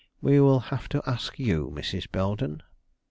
"We will have to ask you, Mrs. Belden."